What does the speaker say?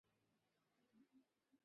ভুলটা ছিল ভাবা যে তুমি জিতে গেছ।